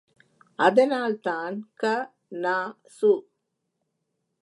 அதனால் தான் க.நா.சு.